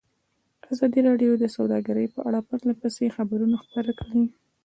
ازادي راډیو د سوداګري په اړه پرله پسې خبرونه خپاره کړي.